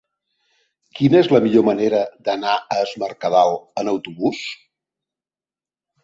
Quina és la millor manera d'anar a Es Mercadal amb autobús?